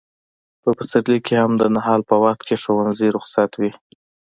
په پسرلي کې هم د نهال په وخت کې ښوونځي رخصت وي.